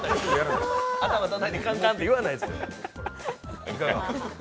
頭たたいて、カンカンって言わないです。